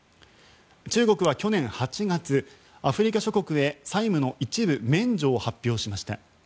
中国は去年８月アフリカ諸国へ債務の一部免除を発表しました。